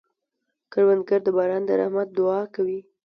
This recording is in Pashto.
کروندګر د باران د رحمت دعا کوي